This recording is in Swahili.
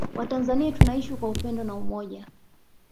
Watanzania tunaishi kwa upendo na umoja